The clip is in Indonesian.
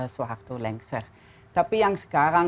soeharto lengser tapi yang sekarang